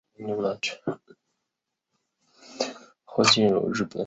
纽芬兰犬。